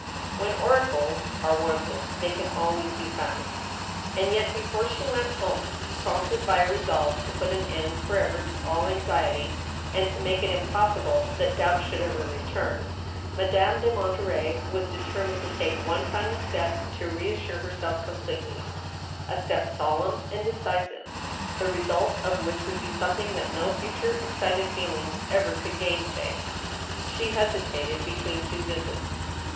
When oracles are wanted they can always be found. And yet before she went home, prompted by a resolve to put an end forever to all anxiety, and to make it impossible that doubts should ever return, Madame de Monterey was determined to take one final step to reassure herself completely — a step solemn and decisive, the result of which would be something that no future excited feelings ever could gainsay. She hesitated between two visits.